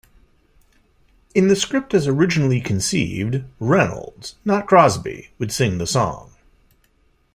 In the script as originally conceived, Reynolds, not Crosby, would sing the song.